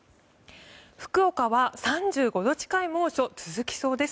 福岡は３５度近い猛暑が続きそうです。